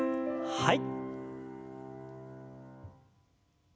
はい。